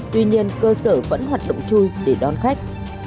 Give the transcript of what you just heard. tuy nhiên cơ sở vẫn hoạt động chui để đón khách